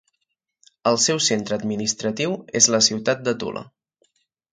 El seu centre administratiu és la ciutat de Tula.